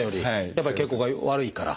やっぱり血行が悪いから？